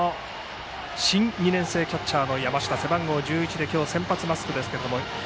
新２年生キャッチャーの山下は背番号１１で今日先発マスクです。